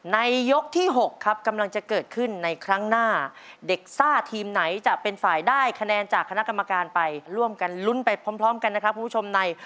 ได้คะแนนจากคณะกรรมการไปร่วมกันลุ้นไปพร้อมกันนะครับผู้ชมใน